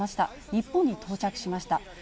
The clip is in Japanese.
日本に到着しました。